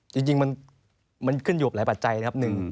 จริงมันขึ้นอยู่กับหลายปัจจัยนะครับ